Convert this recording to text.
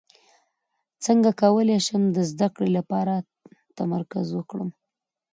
څنګه کولی شم د زده کړې لپاره تمرکز وکړم